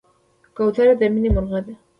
کوتره د مینې مرغه ده.